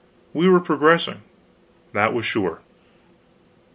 We were progressing, that was sure.